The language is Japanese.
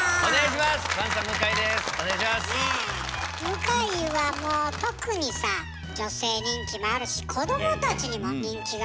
向井はもう特にさ女性人気もあるし子どもたちにも人気がすごいあるみたいね。